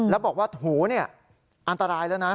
แล้วบอกว่าถูเนี่ยอันตรายแล้วนะ